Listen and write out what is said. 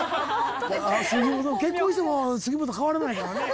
結婚しても杉本変わらないから。